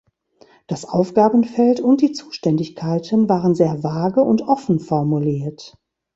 Das Aufgabenfeld und die Zuständigkeiten waren sehr vage und offen formuliert.